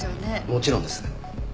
もちろんです。